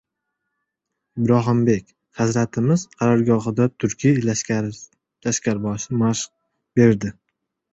Ibrohimbek hazratimiz qarorgohida turkiy lashkarboshilar mashq berdi.